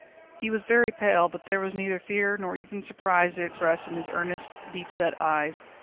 He was very pale, but there was neither fear nor even surprise expressed in his earnest, deep set eyes.